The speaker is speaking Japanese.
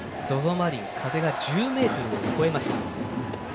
マリン風が１０メートルを超えました。